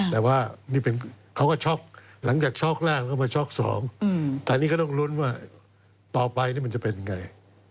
แต่ว่าเขาก็ช็อคหลังจากช็อคแรกเขาก็มาช็อค๒ตอนนี้ก็ต้องรุ้นว่าต่อไปมันจะเป็นยังไง